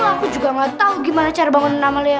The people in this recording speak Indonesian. aku juga gak tahu gimana cara bangunin amalia